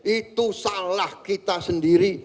itu salah kita sendiri